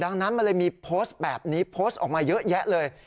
ดังนั้นมันเลยมีโพสต์แบบนี้โพสต์ออกมาเยอะแยะเลย